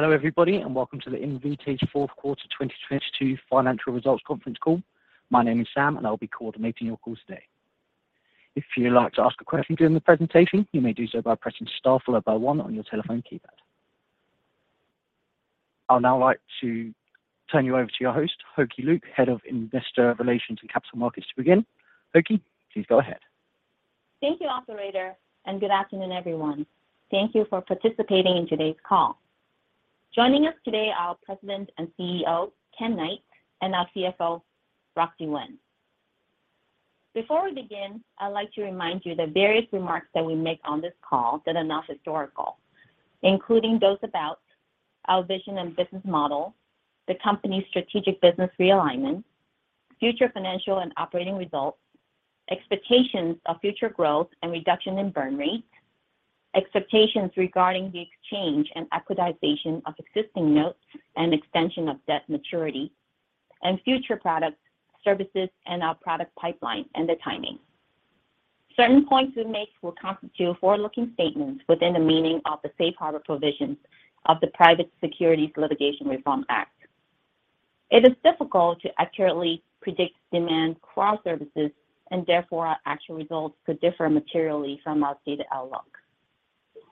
Hello everybody and welcome to the Invitae's 4th quarter 2022 financial results conference call. My name is Sam, and I'll be coordinating your call today. If you'd like to ask a question during the presentation, you may do so by pressing star one on your telephone keypad. I'll now like to turn you over to your host, Hoki Luk, Head of Investor Relations and Capital Markets to begin. Hoki, please go ahead. Thank you, operator, and good afternoon, everyone. Thank you for participating in today's call. Joining us today are President and CEO, Ken Knight, and our CFO, Roxi Wen. Before we begin, I'd like to remind you the various remarks that we make on this call that are not historical, including those about our vision and business model, the company's strategic business realignment, future financial and operating results, expectations of future growth and reduction in burn rate, expectations regarding the exchange and equitization of existing notes and extension of debt maturity, and future products, services, and our product pipeline and the timing. Certain points we make will constitute forward-looking statements within the meaning of the safe harbor provisions of the Private Securities Litigation Reform Act. It is difficult to accurately predict demand for our services and therefore, our actual results could differ materially from our stated outlook.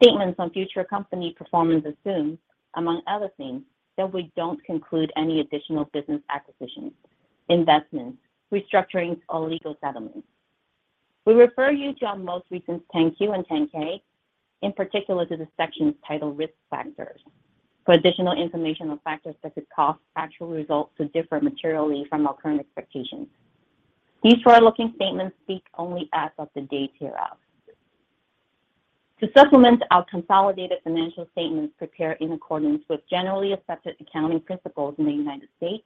Statements on future company performance assume, among other things, that we don't conclude any additional business acquisitions, investments, restructurings, or legal settlements. We refer you to our most recent 10-Q and 10-K, in particular to the sections titled Risk Factors for additional information on factors that could cause actual results to differ materially from our current expectations. These forward-looking statements speak only as of the date hereof. To supplement our consolidated financial statements prepared in accordance with generally accepted accounting principles in the United States,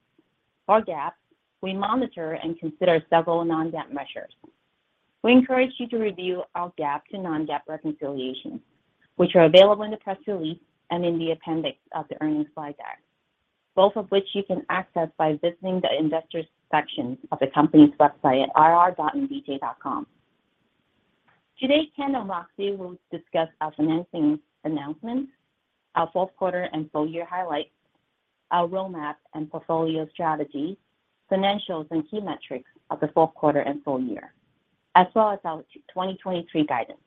or GAAP, we monitor and consider several non-GAAP measures. We encourage you to review our GAAP to non-GAAP reconciliations, which are available in the press release and in the appendix of the earnings slide deck, both of which you can access by visiting the investors section of the company's website at ir.invitae.com. Today, Ken and Roxi will discuss our financing announcements, our fourth quarter and full year highlights, our roadmap and portfolio strategy, financials and key metrics of the fourth quarter and full year, as well as our 2023 guidance.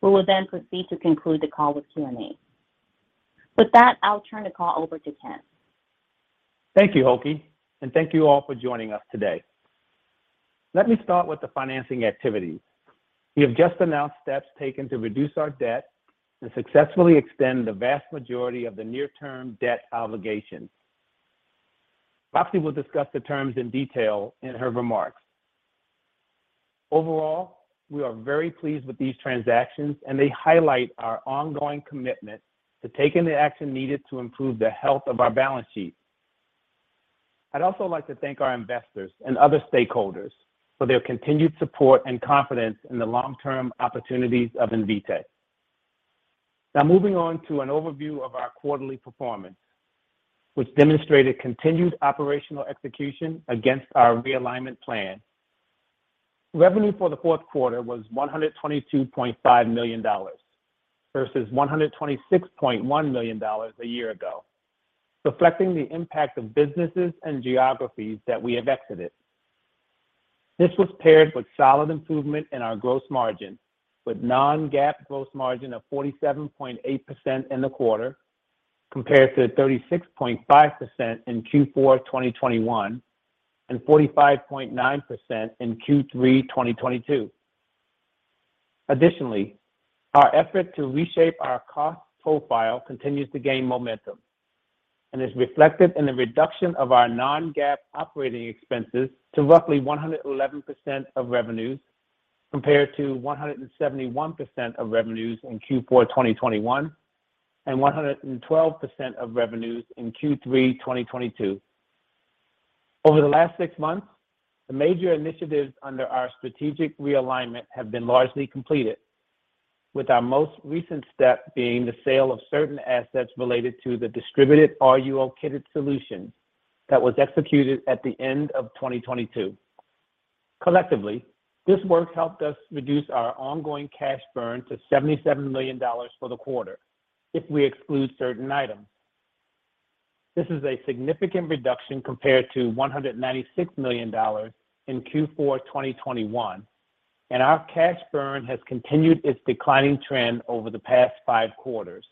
We will then proceed to conclude the call with Q&A. With that, I'll turn the call over to Ken. Thank you, Hoki, and thank you all for joining us today. Let me start with the financing activity. We have just announced steps taken to reduce our debt and successfully extend the vast majority of the near term debt obligation. Roxi will discuss the terms in detail in her remarks. Overall, we are very pleased with these transactions, and they highlight our ongoing commitment to taking the action needed to improve the health of our balance sheet. I'd also like to thank our investors and other stakeholders for their continued support and confidence in the long-term opportunities of Invitae. Now moving on to an overview of our quarterly performance, which demonstrated continued operational execution against our realignment plan. Revenue for the fourth quarter was $122.5 million versus $126.1 million a year ago, reflecting the impact of businesses and geographies that we have exited. This was paired with solid improvement in our gross margin, with non-GAAP gross margin of 47.8% in the quarter compared to 36.5% in Q4, 2021 and 45.9% in Q3, 2022. Additionally, our effort to reshape our cost profile continues to gain momentum and is reflected in the reduction of our non-GAAP operating expenses to roughly 111% of revenues, compared to 171% of revenues in Q4, 2021, and 112% of revenues in Q3, 2022. Over the last six months, the major initiatives under our strategic realignment have been largely completed, with our most recent step being the sale of certain assets related to the distributed RUO kitted solution that was executed at the end of 2022. Collectively, this work helped us reduce our ongoing cash burn to $77 million for the quarter if we exclude certain items. This is a significant reduction compared to $196 million in Q4 2021, and our cash burn has continued its declining trend over the past five quarters.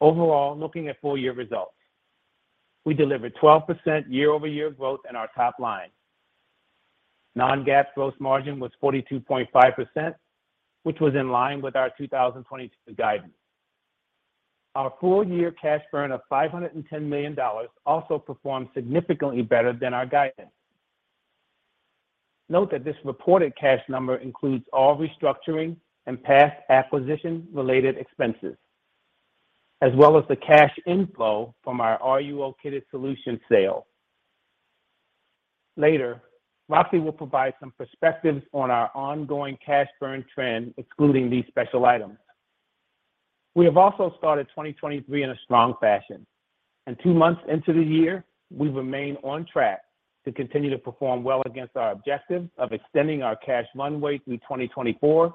Overall, looking at full year results, we delivered 12% year-over-year growth in our top line. Non-GAAP gross margin was 42.5%, which was in line with our 2022 guidance. Our full year cash burn of $510 million also performed significantly better than our guidance. Note that this reported cash number includes all restructuring and past acquisition-related expenses, as well as the cash inflow from our RUO kitted solution sale. Later, Roxi will provide some perspectives on our ongoing cash burn trend, excluding these special items. We have also started 2023 in a strong fashion. Two months into the year, we remain on track to continue to perform well against our objective of extending our cash runway through 2024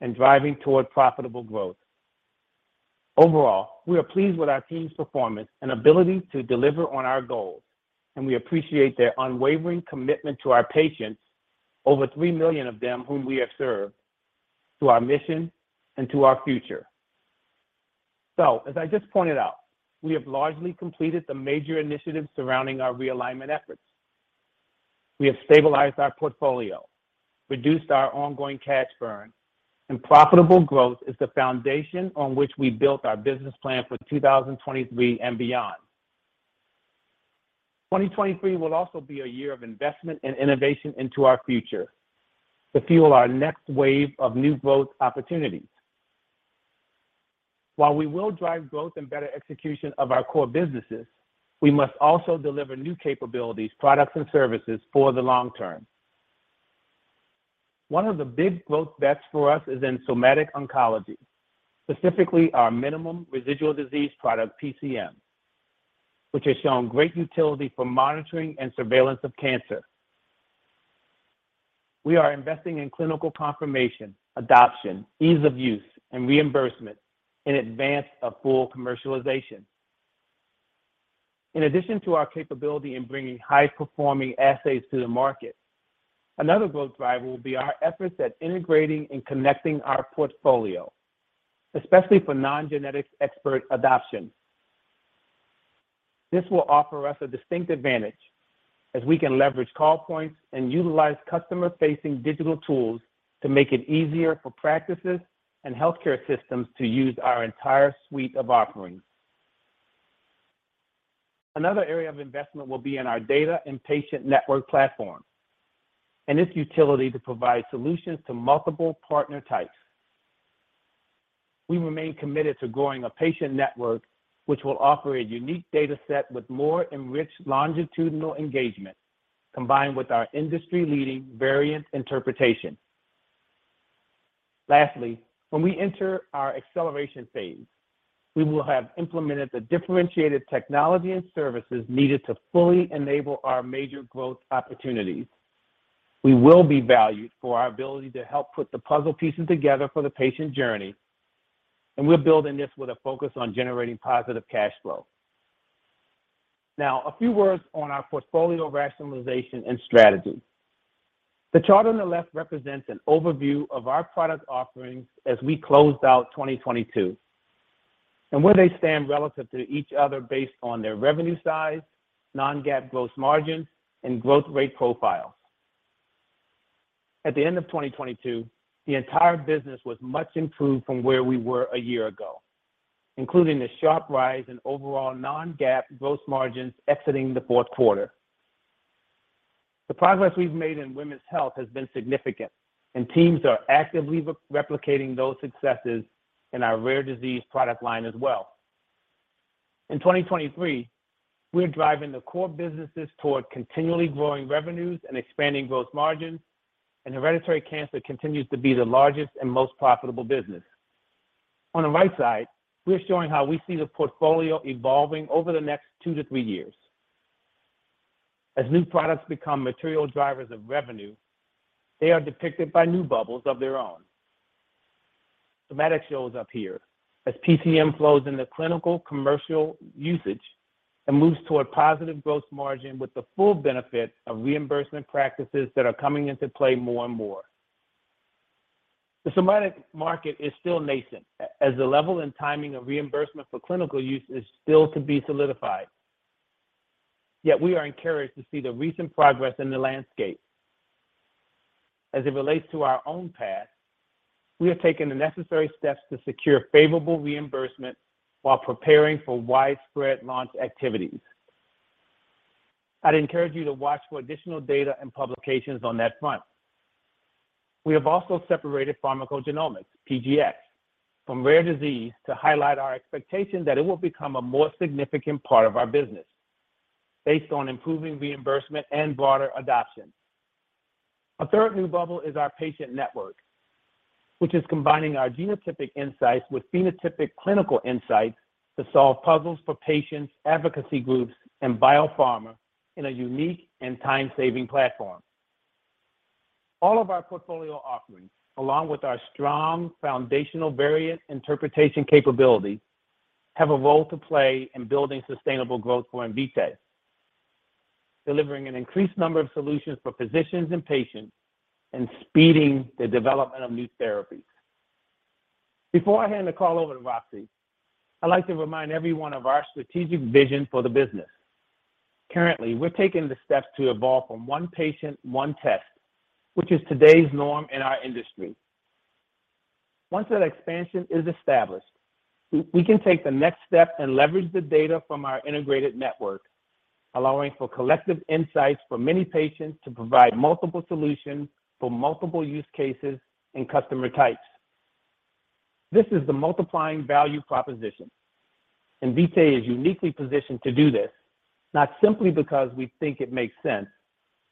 and driving toward profitable growth. Overall, we are pleased with our team's performance and ability to deliver on our goals, and we appreciate their unwavering commitment to our patients, over 3 million of them whom we have served, to our mission and to our future. As I just pointed out, we have largely completed the major initiatives surrounding our realignment efforts. We have stabilized our portfolio, reduced our ongoing cash burn, and profitable growth is the foundation on which we built our business plan for 2023 and beyond. 2023 will also be a year of investment and innovation into our future to fuel our next wave of new growth opportunities. While we will drive growth and better execution of our core businesses, we must also deliver new capabilities, products, and services for the long term. One of the big growth bets for us is in somatic oncology, specifically our minimal residual disease product, PCM, which has shown great utility for monitoring and surveillance of cancer. We are investing in clinical confirmation, adoption, ease of use, and reimbursement in advance of full commercialization. In addition to our capability in bringing high-performing assays to the market, another growth driver will be our efforts at integrating and connecting our portfolio, especially for non-genetic expert adoption. This will offer us a distinct advantage as we can leverage call points and utilize customer-facing digital tools to make it easier for practices and healthcare systems to use our entire suite of offerings. Another area of investment will be in our data and patient network platform and its utility to provide solutions to multiple partner types. We remain committed to growing a patient network which will offer a unique data set with more enriched longitudinal engagement combined with our industry-leading variant interpretation. When we enter our acceleration phase, we will have implemented the differentiated technology and services needed to fully enable our major growth opportunities. We will be valued for our ability to help put the puzzle pieces together for the patient journey, and we're building this with a focus on generating positive cash flow. Now, a few words on our portfolio rationalization and strategy. The chart on the left represents an overview of our product offerings as we closed out 2022 and where they stand relative to each other based on their revenue size, non-GAAP gross margins, and growth rate profile. At the end of 2022, the entire business was much improved from where we were a year ago, including the sharp rise in overall non-GAAP gross margins exiting the fourth quarter. The progress we've made in women's health has been significant, and teams are actively re-replicating those successes in our rare disease product line as well. In 2023, we're driving the core businesses toward continually growing revenues and expanding gross margins. Hereditary cancer continues to be the largest and most profitable business. On the right side, we're showing how we see the portfolio evolving over the next two to three years. As new products become material drivers of revenue, they are depicted by new bubbles of their own. Somatic shows up here as PCM flows into clinical commercial usage and moves toward positive gross margin with the full benefit of reimbursement practices that are coming into play more and more. The somatic market is still nascent as the level and timing of reimbursement for clinical use is still to be solidified, yet we are encouraged to see the recent progress in the landscape. As it relates to our own path, we have taken the necessary steps to secure favorable reimbursement while preparing for widespread launch activities. I'd encourage you to watch for additional data and publications on that front. We have also separated pharmacogenomics, PGX, from rare disease to highlight our expectation that it will become a more significant part of our business based on improving reimbursement and broader adoption. A third new bubble is our Patient Network, which is combining our genotypic insights with phenotypic clinical insights to solve puzzles for patients, advocacy groups, and biopharma in a unique and time-saving platform. All of our portfolio offerings, along with our strong foundational variant interpretation capability, have a role to play in building sustainable growth for Invitae, delivering an increased number of solutions for physicians and patients, and speeding the development of new therapies. Before I hand the call over to Roxi, I'd like to remind everyone of our strategic vision for the business. Currently, we're taking the steps to evolve from one patient, one test, which is today's norm in our industry. Once that expansion is established, we can take the next step and leverage the data from our integrated network, allowing for collective insights for many patients to provide multiple solutions for multiple use cases and customer types. This is the multiplying value proposition. Invitae is uniquely positioned to do this, not simply because we think it makes sense,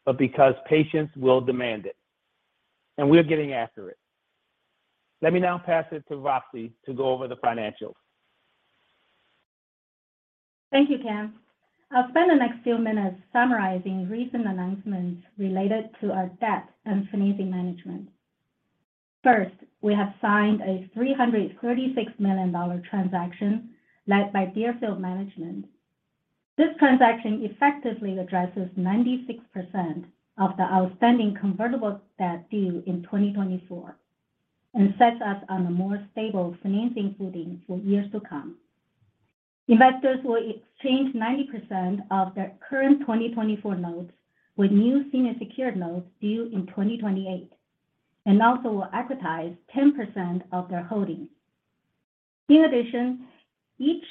but because patients will demand it, and we're getting after it. Let me now pass it to Roxi to go over the financials. Thank you, Ken. I'll spend the next few minutes summarizing recent announcements related to our debt and financing management. First, we have signed a $336 million transaction led by Deerfield Management. This transaction effectively addresses 96% of the outstanding convertible debt due in 2024, and sets us on a more stable financing footing for years to come. Investors will exchange 90% of their current 2024 notes with new senior secured notes due in 2028, and also will equitize 10% of their holdings. In addition, each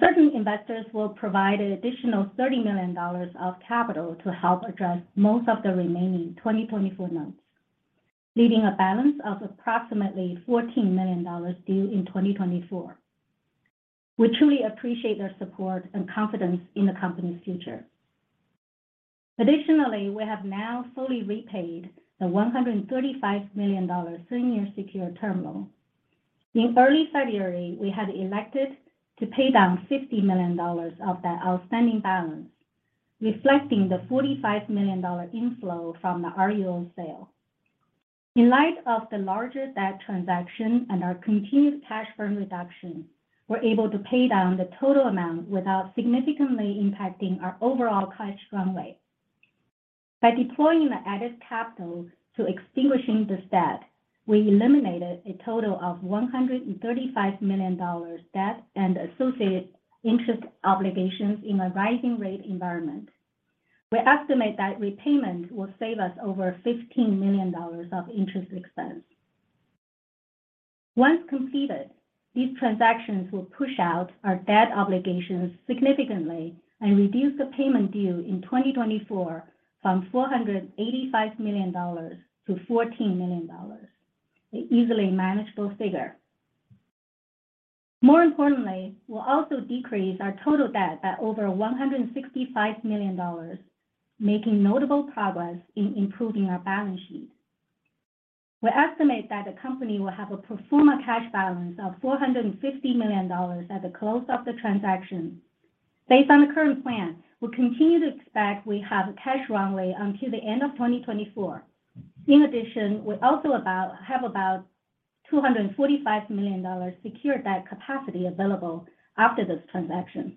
certain investors will provide an additional $30 million of capital to help address most of the remaining 2024 notes, leaving a balance of approximately $14 million due in 2024. We truly appreciate their support and confidence in the company's future. We have now fully repaid the $135 million senior secured term loan. In early February, we had elected to pay down $50 million of that outstanding balance, reflecting the $45 million inflow from the RUO sale. In light of the larger debt transaction and our continued cash burn reduction, we're able to pay down the total amount without significantly impacting our overall cash runway. By deploying the added capital to extinguishing this debt, we eliminated a total of $135 million debt and associated interest obligations in a rising rate environment. We estimate that repayment will save us over $15 million of interest expense. Once completed, these transactions will push out our debt obligations significantly and reduce the payment due in 2024 from $485 million to $14 million, an easily manageable figure. More importantly, we'll also decrease our total debt by over $165 million, making notable progress in improving our balance sheet. We estimate that the company will have a pro forma cash balance of $450 million at the close of the transaction. Based on the current plan, we continue to expect we have cash runway until the end of 2024. In addition, we also have about $245 million secured debt capacity available after this transaction.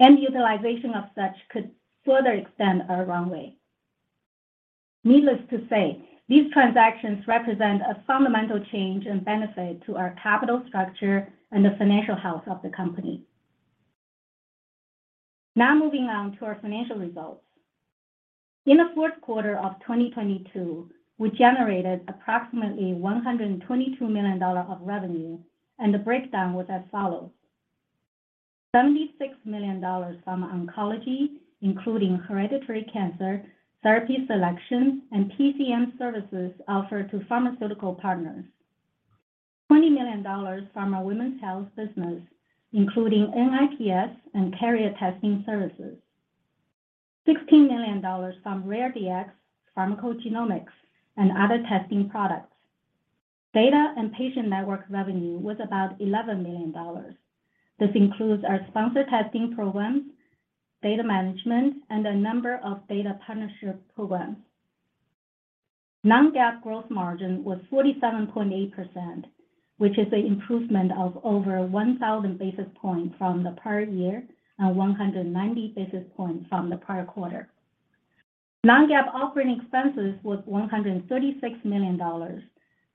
Any utilization of such could further extend our runway. Needless to say, these transactions represent a fundamental change and benefit to our capital structure and the financial health of the company. Moving on to our financial results. In the fourth quarter of 2022, we generated approximately $122 million of revenue, and the breakdown was as follows: $76 million from oncology, including hereditary cancer, therapy selection, and PCM services offered to pharmaceutical partners. $20 million from our women's health business, including NIPS and carrier testing services. $16 million from RareDX pharmacogenomics and other testing products. Data and patient network revenue was about $11 million. This includes our sponsored testing programs, data management, and a number of data partnership programs. Non-GAAP growth margin was 47.8%, which is an improvement of over 1,000 basis points from the prior year, and 190 basis points from the prior quarter. Non-GAAP operating expenses was $136 million,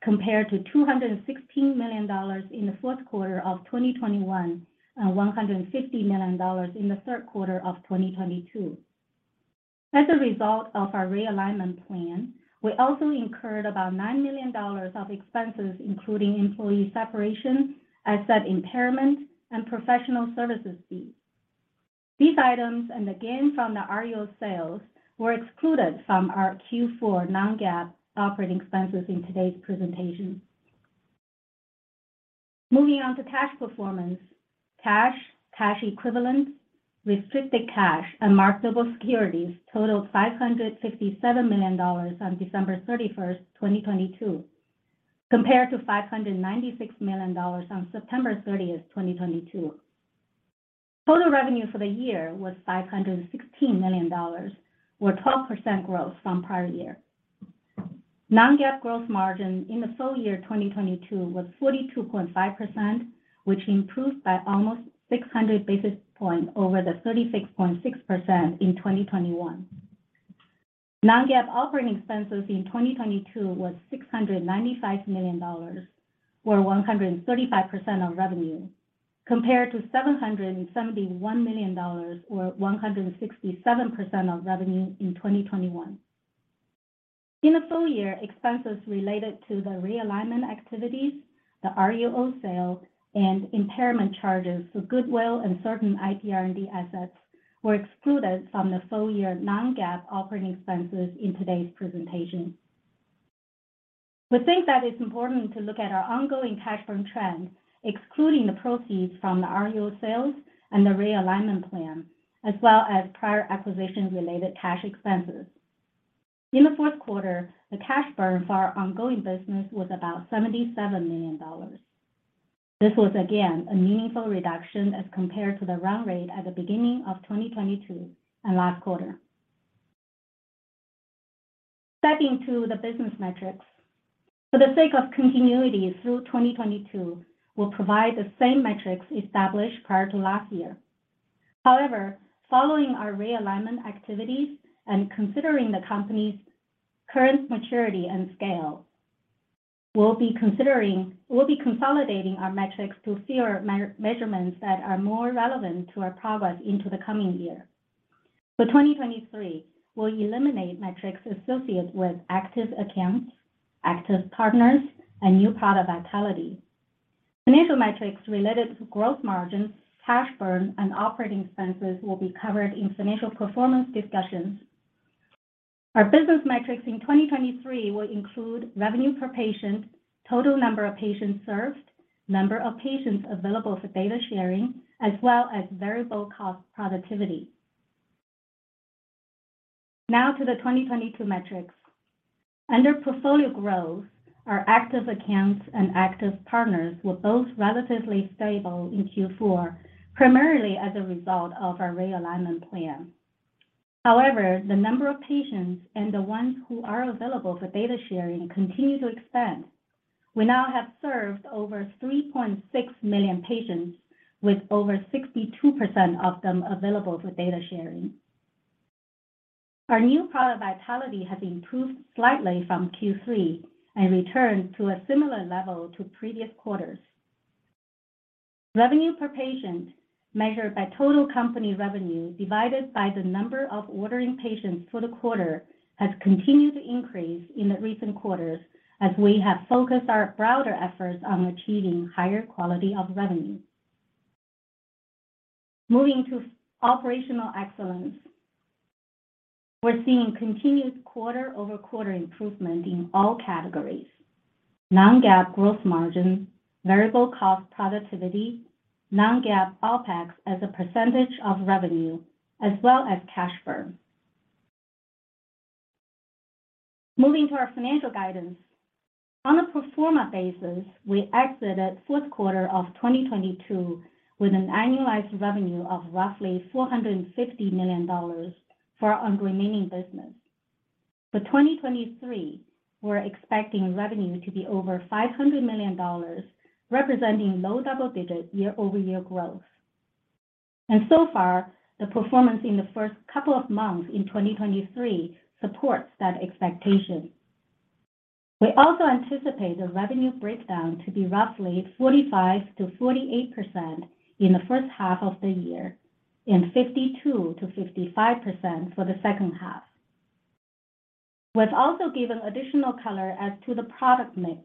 compared to $216 million in the fourth quarter of 2021, and $150 million in the third quarter of 2022. As a result of our realignment plan, we also incurred about $9 million of expenses, including employee separation, asset impairment, and professional services fees. These items, and again, from the RUO sales, were excluded from our Q4 non-GAAP operating expenses in today's presentation. Moving on to cash performance. Cash, cash equivalents, restricted cash, and marketable securities totaled $567 million on December 31, 2022, compared to $596 million on September 30, 2022. Total revenue for the year was $516 million or 12% growth from prior year. Non-GAAP growth margin in the full year 2022 was 42.5%, which improved by almost 600 basis points over the 36.6% in 2021. Non-GAAP operating expenses in 2022 was $695 million or 135% of revenue, compared to $771 million or 167% of revenue in 2021. In the full year, expenses related to the realignment activities, the RUO sale, and impairment charges for goodwill and certain IT R&D assets were excluded from the full year non-GAAP operating expenses in today's presentation. We think that it's important to look at our ongoing cash burn trends, excluding the proceeds from the RUO sales and the realignment plan, as well as prior acquisition-related cash expenses. In the fourth quarter, the cash burn for our ongoing business was about $77 million. This was again a meaningful reduction as compared to the run rate at the beginning of 2022 and last quarter. Stepping to the business metrics. For the sake of continuity through 2022, we'll provide the same metrics established prior to last year. However, following our realignment activities and considering the company's current maturity and scale, we'll be consolidating our metrics to fewer measurements that are more relevant to our progress into the coming year. For 2023, we'll eliminate metrics associated with active accounts, active partners, and new product vitality. Financial metrics related to growth margin, cash burn, and operating expenses will be covered in financial performance discussions. Our business metrics in 2023 will include revenue per patient, total number of patients served, number of patients available for data sharing, as well as variable cost productivity. Now to the 2022 metrics. Under portfolio growth, our active accounts and active partners were both relatively stable in Q4, primarily as a result of our realignment plan. However, the number of patients and the ones who are available for data sharing continue to expand. We now have served over 3.6 million patients, with over 62% of them available for data sharing. Our new product vitality has improved slightly from Q3 and returned to a similar level to previous quarters. Revenue per patient, measured by total company revenue divided by the number of ordering patients for the quarter, has continued to increase in the recent quarters as we have focused our broader efforts on achieving higher quality of revenue. Moving to operational excellence. We're seeing continued quarter-over-quarter improvement in all categories. non-GAAP growth margin, variable cost productivity, non-GAAP OpEx as a percentage of revenue, as well as cash burn. Moving to our financial guidance. On a pro forma basis, we exited fourth quarter of 2022 with an annualized revenue of roughly $450 million for our unremaining business. For 2023, we're expecting revenue to be over $500 million, representing low double-digit year-over-year growth. So far, the performance in the first couple of months in 2023 supports that expectation. We also anticipate the revenue breakdown to be roughly 45%-48% in the first half of the year and 52%-55% for the second half. We've also given additional color as to the product mix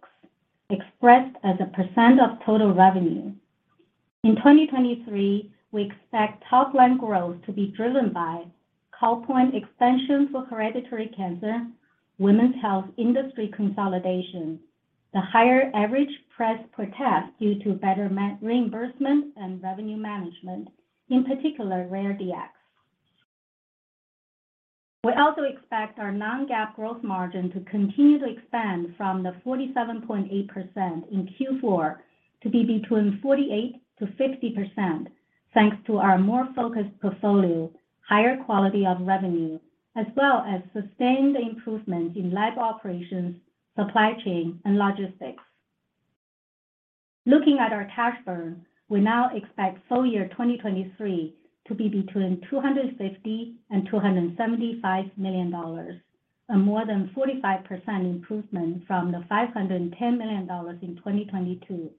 expressed as a percent of total revenue. In 2023, we expect top-line growth to be driven by call point expansion for hereditary cancer, women's health industry consolidation, the higher average price per test due to better reimbursement and revenue management, in particular, rare DX. We also expect our non-GAAP growth margin to continue to expand from the 47.8% in Q4 to be between 48%-50%, thanks to our more focused portfolio, higher quality of revenue, as well as sustained improvement in lab operations, supply chain, and logistics. Looking at our cash burn, we now expect full year 2023 to be between $250 million and $275 million, a more than 45% improvement from the $510 million in 2022,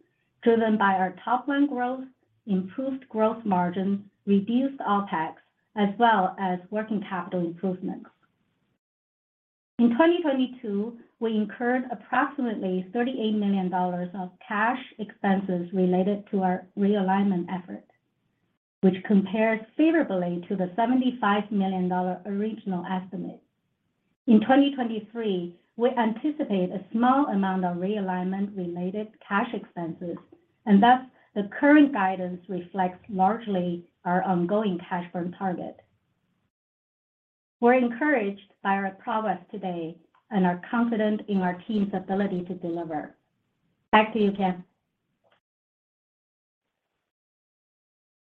driven by our top line growth, improved growth margin, reduced OpEx, as well as working capital improvements. In 2022, we incurred approximately $38 million of cash expenses related to our realignment effort, which compared favorably to the $75 million original estimate. In 2023, we anticipate a small amount of realignment related cash expenses. Thus, the current guidance reflects largely our ongoing cash burn target. We're encouraged by our progress today and are confident in our team's ability to deliver. Back to you, Ken.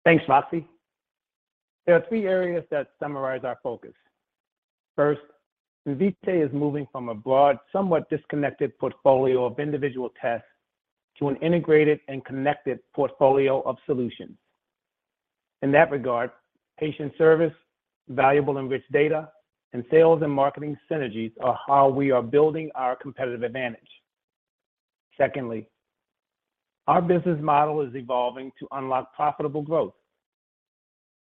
Thanks, Roxi. There are three areas that summarize our focus. First, Invitae is moving from a broad, somewhat disconnected portfolio of individual tests to an integrated and connected portfolio of solutions. In that regard, patient service, valuable enriched data, and sales and marketing synergies are how we are building our competitive advantage. Secondly, our business model is evolving to unlock profitable growth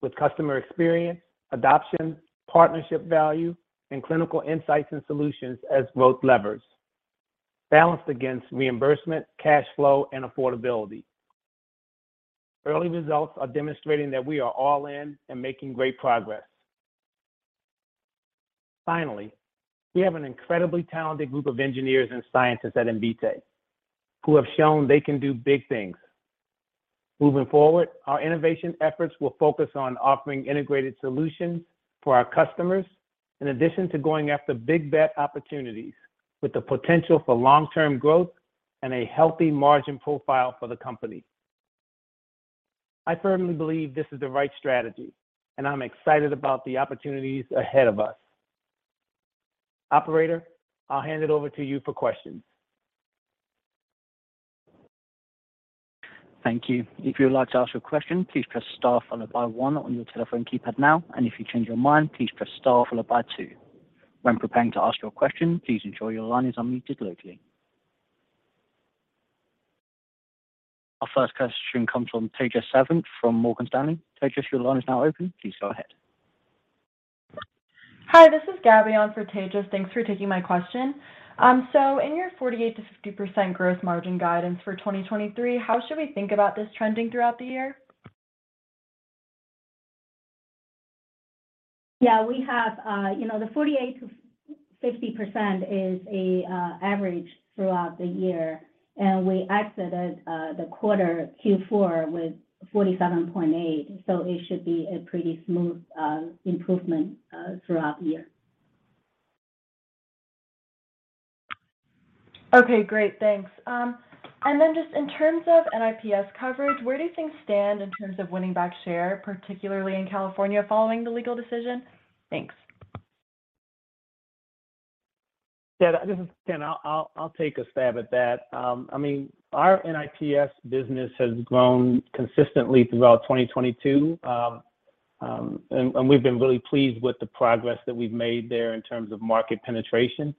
with customer experience, adoption, partnership value, and clinical insights and solutions as growth levers balanced against reimbursement, cash flow, and affordability. Early results are demonstrating that we are all in and making great progress. We have an incredibly talented group of engineers and scientists at Invitae who have shown they can do big things. Moving forward, our innovation efforts will focus on offering integrated solutions for our customers, in addition to going after big bet opportunities with the potential for long-term growth and a healthy margin profile for the company. I firmly believe this is the right strategy, and I'm excited about the opportunities ahead of us. Operator, I'll hand it over to you for questions. Thank you. If you'd like to ask a question, please press star followed by one on your telephone keypad now. If you change your mind, please press star followed by two. When preparing to ask your question, please ensure your line is unmuted locally. Our first question comes from Tejas Savant from Morgan Stanley. Tejas, your line is now open. Please go ahead. Hi, this is Gabby on for Tejas. Thanks for taking my question. In your 48%-50% gross margin guidance for 2023, how should we think about this trending throughout the year? We have, you know, the 48%-50% is a average throughout the year, and we exited the quarter Q4 with 47.8%, so it should be a pretty smooth improvement throughout the year. Okay. Great. Thanks. Then just in terms of NIPS coverage, where do things stand in terms of winning back share, particularly in California following the legal decision? Thanks. Yeah. This is Ken. I'll take a stab at that. I mean, our NIPS business has grown consistently throughout 2022, and we've been really pleased with the progress that we've made there in terms of market penetration.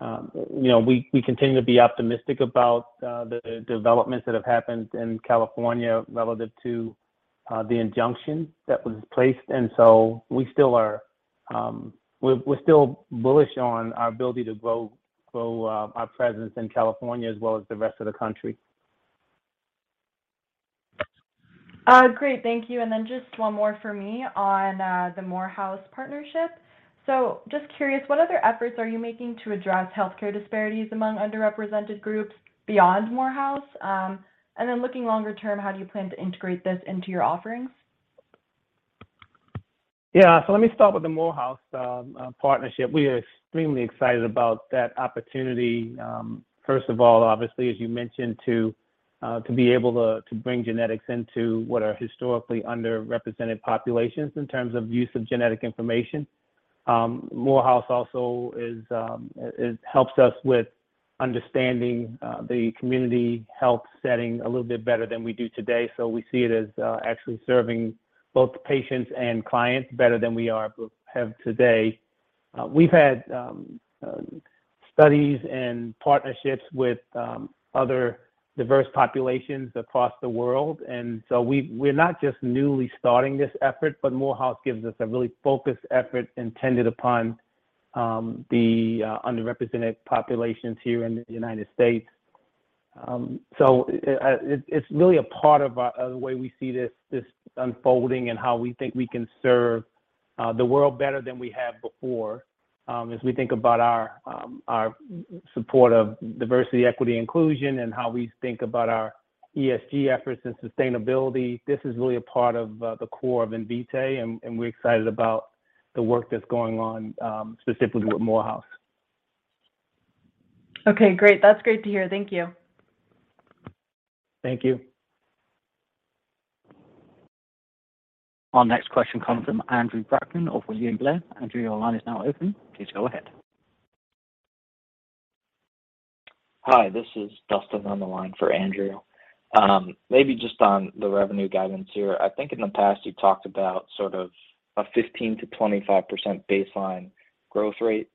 You know, we continue to be optimistic about the developments that have happened in California relative to the injunction that was placed. We still are bullish on our ability to grow our presence in California as well as the rest of the country. Great. Thank you. Just one more for me on the Morehouse partnership. Just curious, what other efforts are you making to address healthcare disparities among underrepresented groups beyond Morehouse? Looking longer term, how do you plan to integrate this into your offerings? Yeah. Let me start with the Morehouse partnership. We are extremely excited about that opportunity. First of all, obviously, as you mentioned, to be able to bring genetics into what are historically underrepresented populations in terms of use of genetic information. Morehouse also helps us with understanding the community health setting a little bit better than we do today. We see it as actually serving both patients and clients better than we have today. We've had studies and partnerships with other diverse populations across the world, and so we're not just newly starting this effort, but Morehouse gives us a really focused effort intended upon the underrepresented populations here in the United States. It's really a part of our—the way we see this unfolding and how we think we can serve the world better than we have before, as we think about our support of diversity, equity, and inclusion, and how we think about our ESG efforts and sustainability. This is really a part of the core of Invitae and we're excited about the work that's going on specifically with Morehouse. Okay, great. That's great to hear. Thank you. Thank you. Our next question comes from Andrew Brackmann of William Blair. Andrew, your line is now open. Please go ahead. Hi, this is Dustin on the line for Andrew. Maybe just on the revenue guidance here. I think in the past, you talked about sort of a 15%-25% baseline growth rate,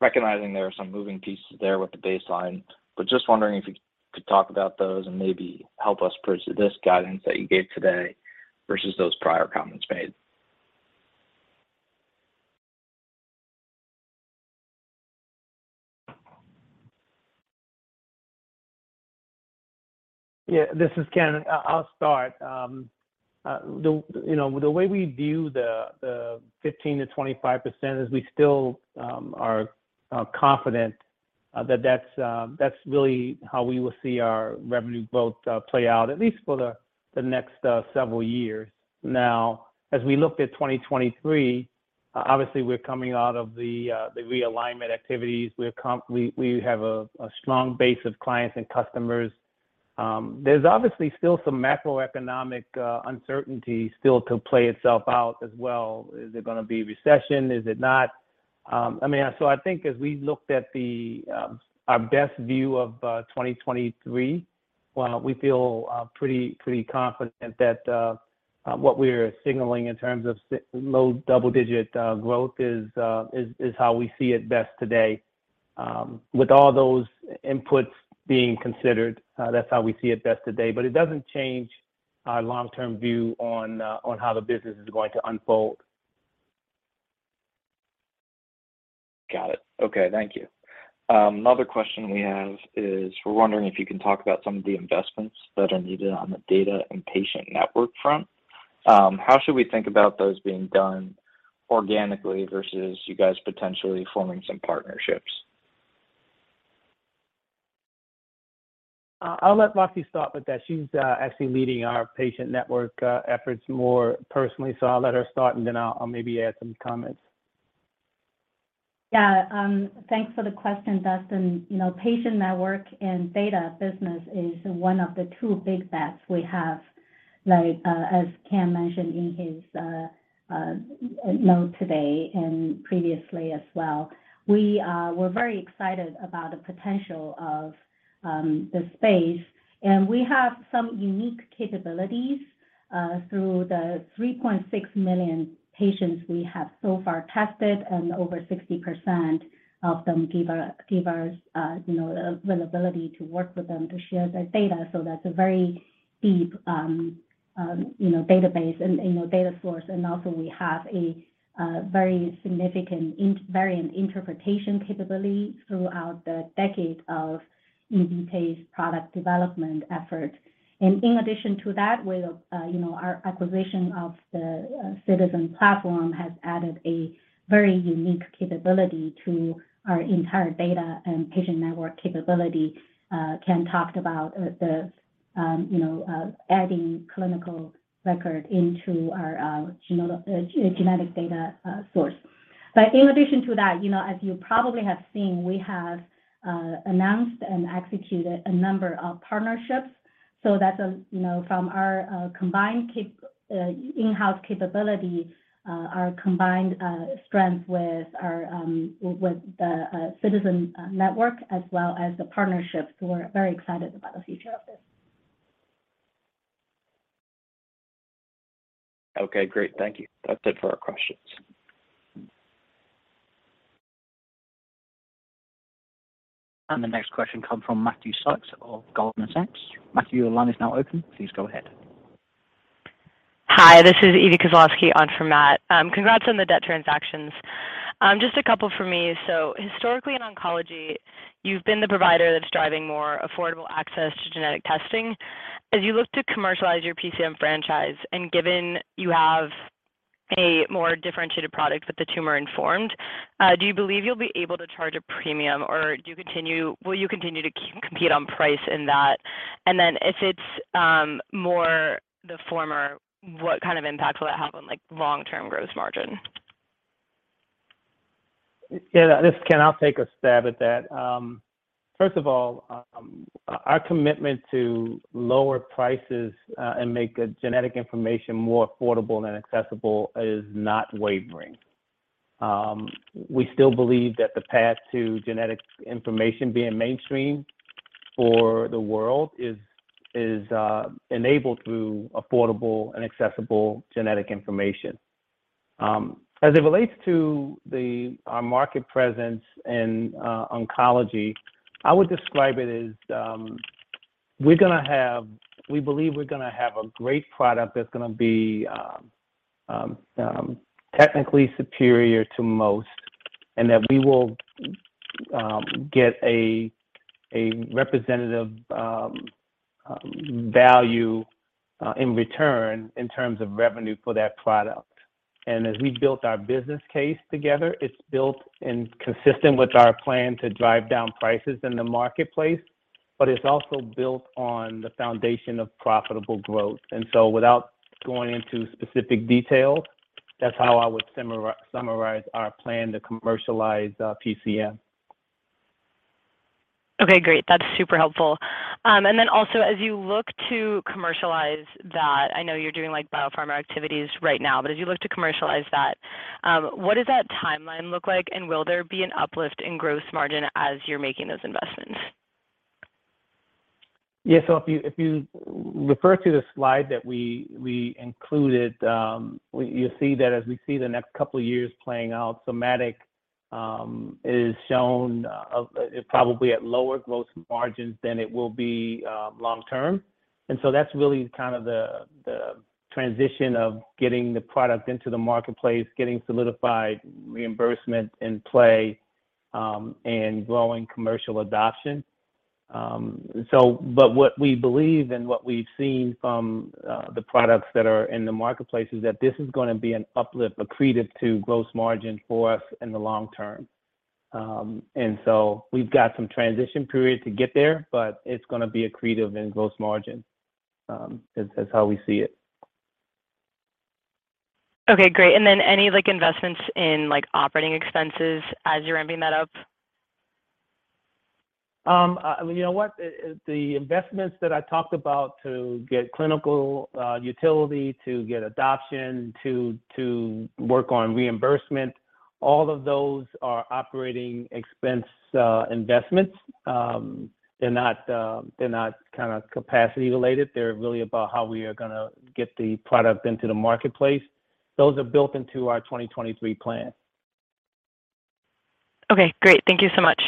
recognizing there are some moving pieces there with the baseline. Just wondering if you could talk about those and maybe help us bridge this guidance that you gave today versus those prior comments made. Yeah. This is Ken. I'll start. The, you know, the way we view the 15%-25% is we still are confident that that's really how we will see our revenue growth play out, at least for the next several years. As we look at 2023, obviously we're coming out of the realignment activities. We have a strong base of clients and customers. There's obviously still some macroeconomic uncertainty still to play itself out as well. Is it gonna be recession? Is it not? I mean, I think as we looked at the, our best view of 2023, well, we feel pretty confident that what we're signaling in terms of low double-digit growth is how we see it best today. With all those inputs being considered, that's how we see it best today. It doesn't change our long-term view on how the business is going to unfold. Got it. Okay, thank you. Another question we have is we're wondering if you can talk about some of the investments that are needed on the data and patient network front. How should we think about those being done organically versus you guys potentially forming some partnerships? I'll let Roxi start with that. She's actually leading our patient network efforts more personally, so I'll let her start, and then I'll maybe add some comments. Thanks for the question, Dustin. You know, patient network and data business is one of the 2 big bets we have, like, as Ken mentioned in his note today and previously as well. We're very excited about the potential of the space, and we have some unique capabilities through the 3.6 million patients we have so far tested, and over 60% of them give us, you know, the availability to work with them to share their data. That's a very deep, you know, database and, you know, data source. Also we have a very significant variant interpretation capability throughout the decade of Invitae's product development effort. In addition to that, we have, you know, our acquisition of the Ciitizen platform has added a very unique capability to our entire data and patient network capability. Ken talked about the, you know, adding clinical record into our genetic data source. In addition to that, you know, as you probably have seen, we have announced and executed a number of partnerships so that, you know, from our combined in-house capability, our combined strength with our, with the Ciitizen network as well as the partnerships, we're very excited about the future of this. Okay, great. Thank you. That's it for our questions. The next question comes from Matthew Sykes of Goldman Sachs. Matthew, your line is now open. Please go ahead. Hi, this is Evie Kozlowski on for Matt. Congrats on the debt transactions. Just a couple for me. Historically in oncology, you've been the provider that's driving more affordable access to genetic testing. As you look to commercialize your PCM franchise, and given you have a more differentiated product with the tumor informed, do you believe you'll be able to charge a premium, or will you continue to compete on price in that? If it's, more the former, what kind of impact will it have on, like, long-term gross margin? Yeah, this is Ken. I'll take a stab at that. First of all, our commitment to lower prices and make genetic information more affordable and accessible is not wavering. We still believe that the path to genetic information being mainstream for the world is enabled through affordable and accessible genetic information. As it relates to our market presence in oncology, I would describe it as we believe we're gonna have a great product that's gonna be technically superior to most and that we will get a representative value in return in terms of revenue for that product. As we built our business case together, it's built and consistent with our plan to drive down prices in the marketplace. It's also built on the foundation of profitable growth. Without going into specific details, that's how I would summarize our plan to commercialize PCM. Okay, great. That's super helpful. Also as you look to commercialize that, I know you're doing like biopharma activities right now, but as you look to commercialize that, what does that timeline look like, and will there be an uplift in gross margin as you're making those investments? Yeah. If you, if you refer to the slide that we included, you'll see that as we see the next couple of years playing out, somatic is shown probably at lower gross margins than it will be long term. That's really kind of the transition of getting the product into the marketplace, getting solidified reimbursement in play, and growing commercial adoption. What we believe and what we've seen from the products that are in the marketplace is that this is gonna be an uplift accretive to gross margin for us in the long term. We've got some transition period to get there, but it's gonna be accretive in gross margin, is how we see it. Okay, great. Any, like, investments in, like, operating expenses as you're ramping that up? You know what. The investments that I talked about to get clinical utility, to get adoption, to work on reimbursement, all of those are operating expense investments. They're not kinda capacity related. They're really about how we are gonna get the product into the marketplace. Those are built into our 2023 plan. Okay, great. Thank you so much.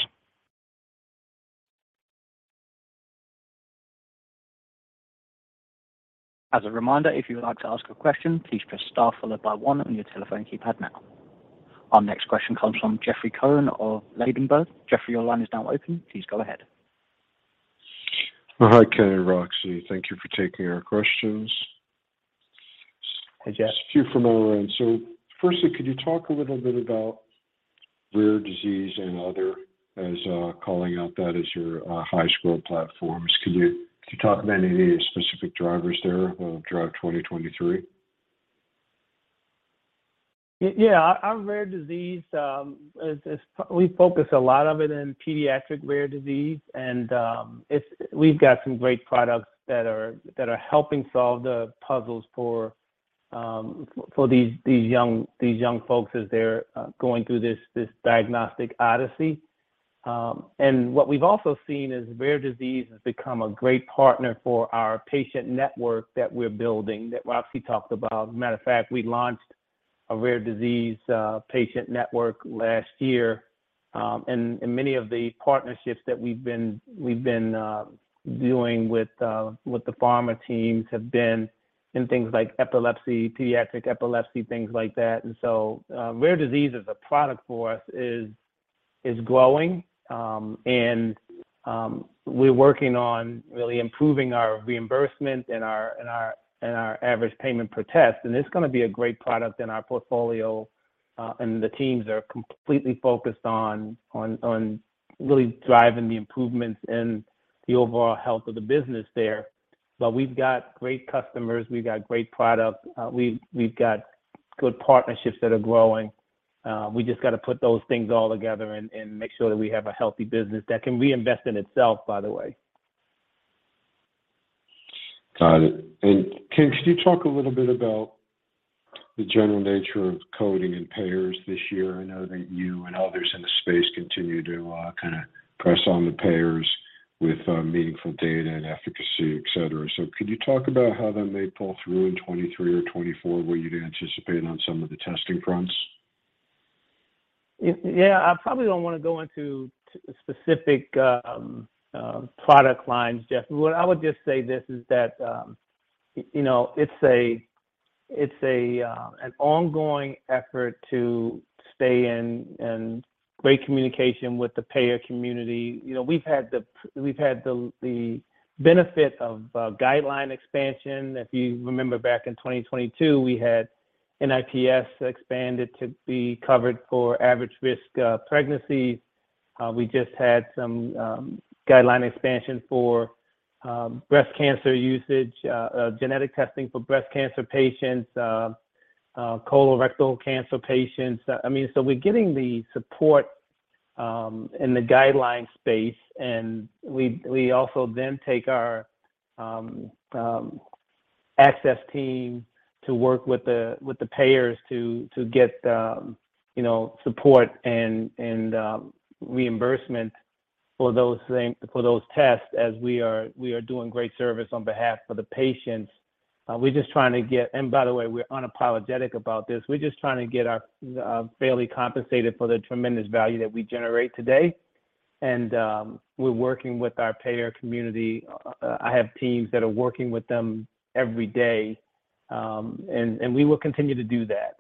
As a reminder, if you would like to ask a question, please press star followed by one on your telephone keypad now. Our next question comes from Jeffrey Cohen of Ladenburg. Jeffrey, your line is now open. Please go ahead. Hi, Ken and Roxi. Thank you for taking our questions. Hi, Jeff. Just a few from our end. firstly, could you talk a little bit about rare disease and other as calling out that as your high score platforms. Could you talk to any of the specific drivers there that will drive 2023? Yeah. Our rare disease is we focus a lot of it in pediatric rare disease and it's we've got some great products that are helping solve the puzzles for these young folks as they're going through this diagnostic odyssey. What we've also seen is rare disease has become a great partner for our patient network that we're building, that Roxi talked about. Matter of fact, we launched a rare disease patient network last year. Many of the partnerships that we've been doing with the pharma teams have been in things like epilepsy, pediatric epilepsy, things like that. Rare disease as a product for us is growing. We're working on really improving our reimbursement and our average payment per test. It's gonna be a great product in our portfolio, and the teams are completely focused on really driving the improvements in the overall health of the business there. We've got great customers, we've got great products, we've got good partnerships that are growing. We just gotta put those things all together and make sure that we have a healthy business that can reinvest in itself, by the way. Got it. Ken, could you talk a little bit about the general nature of coding and payers this year? I know that you and others in the space continue to, kinda press on the payers with, meaningful data and efficacy, et cetera. Could you talk about how that may pull through in 2023 or 2024, what you'd anticipate on some of the testing fronts? Yeah. I probably don't wanna go into specific product lines, Jeff. What I would just say this, is that, you know, it's an ongoing effort to stay in great communication with the payer community. You know, we've had the benefit of guideline expansion. If you remember back in 2022, we had NIPS expanded to be covered for average risk, pregnancy. We just had some guideline expansion for breast cancer usage, genetic testing for breast cancer patients, colorectal cancer patients. I mean, we're getting the support in the guidelines space. We also take our access team to work with the payers to get, you know, support and reimbursement for those things, for those tests as we are doing great service on behalf of the patients. By the way, we're unapologetic about this. We're just trying to get our fairly compensated for the tremendous value that we generate today. We're working with our payer community. I have teams that are working with them every day, and we will continue to do that.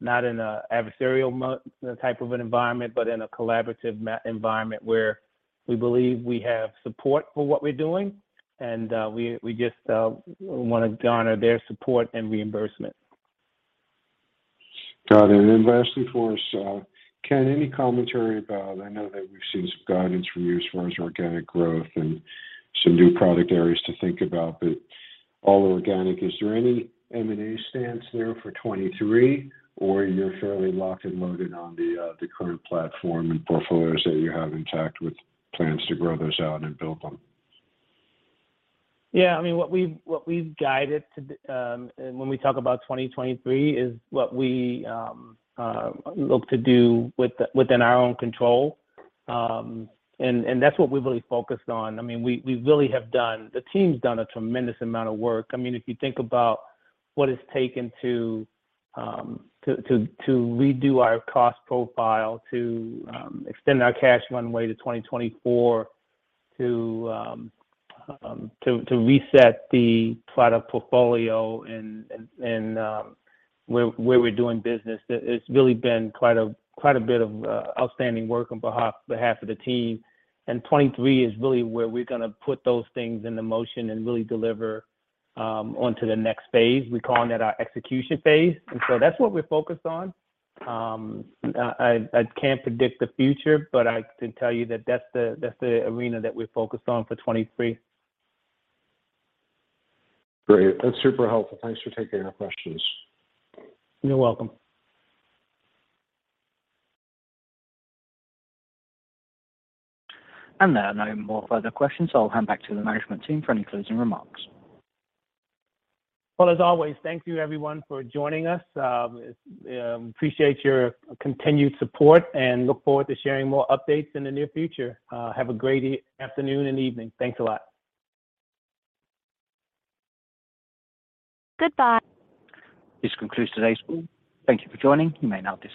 Not in a adversarial type of an environment, but in a collaborative environment where we believe we have support for what we're doing, and we just wanna garner their support and reimbursement. Got it. Lastly for us, Ken, any commentary about, I know that we've seen some guidance from you as far as organic growth and some new product areas to think about, but all organic, is there any M&A stance there for 2023 or you're fairly locked and loaded on the current platform and portfolios that you have intact with plans to grow those out and build them? Yeah. I mean, what we've guided to, when we talk about 2023 is what we look to do within our own control. That's what we've really focused on. I mean, the team's done a tremendous amount of work. I mean, if you think about what it's taken to redo our cost profile, to extend our cash runway to 2024, to reset the product portfolio and where we're doing business. It's really been quite a bit of outstanding work on behalf of the team. 2023 is really where we're gonna put those things into motion and really deliver onto the next phase. We're calling that our execution phase. That's what we're focused on. I can't predict the future, but I can tell you that that's the arena that we're focused on for 2023. Great. That's super helpful. Thanks for taking our questions. You're welcome. There are no more further questions, so I'll hand back to the management team for any closing remarks. As always, thank you everyone for joining us. Appreciate your continued support and look forward to sharing more updates in the near future. Have a great afternoon and evening. Thanks a lot. Goodbye. This concludes today's call. Thank you for joining. You may now disconnect.